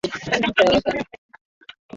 kasi ya wastani ya nyama hii imekuwa